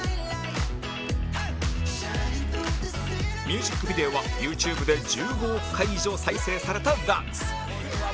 ミュージックビデオは ＹｏｕＴｕｂｅ で１５億回以上再生されたダンス